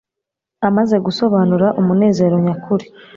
Amaze gusobanura umunezero nyakuri,